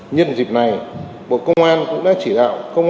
nhân dịp này bộ công an cũng đã chỉ đạo